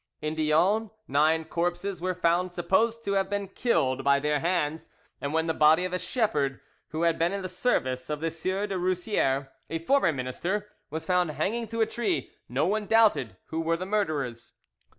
In Dions nine corpses were found supposed to have been killed by their hands, and when the body of a shepherd who had been in the service of the Sieur de Roussiere, a former minister, was found hanging to a tree, no one doubted who were the murderers.